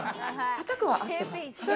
叩くは合ってます。